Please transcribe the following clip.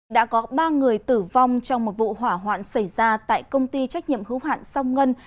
đã có ba người tử vong trong một vụ hỏa hoạn xảy ra tại công ty trách nhiệm hữu hạn song ngân